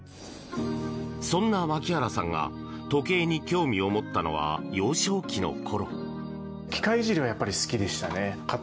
そんな牧原さんが時計に興味を持ったのは幼少期の頃。